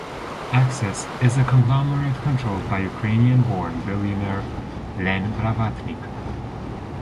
Access is a conglomerate controlled by Ukrainian-born billionaire Len Blavatnik.